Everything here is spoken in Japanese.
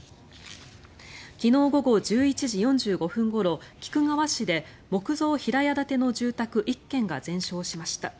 昨日午後１１時４５分ごろ菊川市で木造平屋建ての住宅１軒が全焼しました。